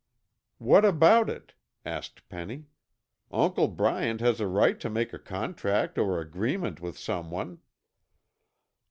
"What about it?" asked Penny. "Uncle Bryant has a right to make a contract or agreement with someone."